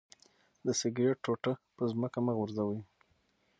د سګرټ ټوټه په ځمکه مه غورځوئ.